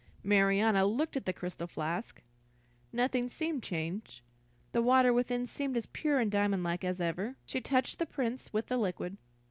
Marianna looked at the crystal flask. Nothing seemed changed; the water within seemed as pure and diamond like as ever. She touched the Prince with the liquid.